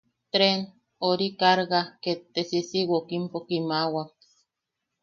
Treen... ori... kaarga..., ket te sisiwookimpo kiimawak.